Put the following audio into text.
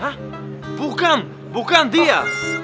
hah bukan bukan dia